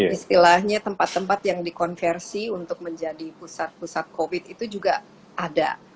istilahnya tempat tempat yang dikonversi untuk menjadi pusat pusat covid itu juga ada